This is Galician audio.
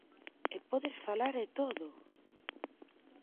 ¡E podes falar e todo!